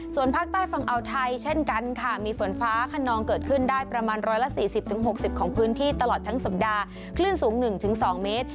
ส่วนภาคใต้ฝั่งอาวไทยเช่นกันค่ะมีฝนฟ้าขนองเกิดขึ้นได้ประมาณ๑๔๐๖๐ของพื้นที่ตลอดทั้งสัปดาห์คลื่นสูง๑๒เมตร